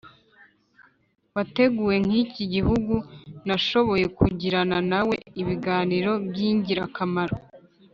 wateguwe n'iki gihugu, nashoboye kugirana na we ibiganiro by'ingirakamaro.